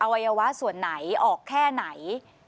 วัยวะส่วนไหนออกแค่ไหน